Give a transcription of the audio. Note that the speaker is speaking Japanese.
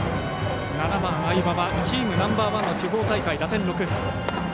７番、相場はチームナンバーワンの地方大会、打点６。